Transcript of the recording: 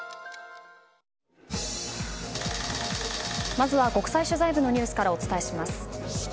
まずは国際取材部のニュースからお伝えします。